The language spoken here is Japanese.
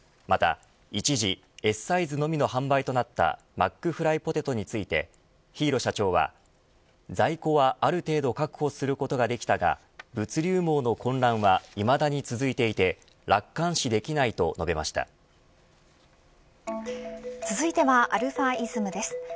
また一時Ｓサイズのみの販売となったマックフライポテトについて日色社長は在庫はある程度確保することができたが物流網の混乱はいまだに続いていて楽観視できないと続いてはαｉｓｍです。